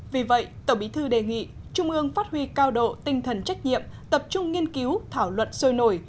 vì vậy tổng bí thư đề nghị trung ương phát huy cao độ tinh thần trách nhiệm tập trung nghiên cứu thảo luận sôi nổi